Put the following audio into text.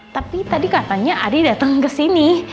tapi tadi katanya adi dateng kesini